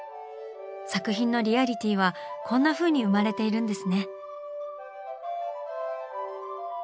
作品のリアリティーはこんなふうに生まれているんですね。